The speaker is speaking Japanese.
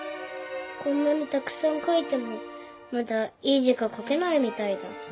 こんなにたくさん書いてもまだいい字が書けないみたいだ。